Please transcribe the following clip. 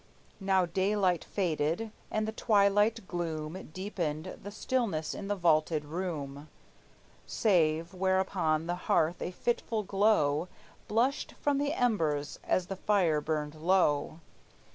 Now daylight faded, and the twilight gloom Deepened the stillness in the vaulted room, Save where upon the hearth a fitful glow Blushed from the embers as the fire burned low.